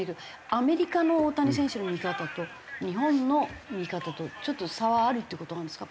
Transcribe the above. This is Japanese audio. アメリカの大谷選手の見方と日本の見方とちょっと差はあるっていう事なんですか？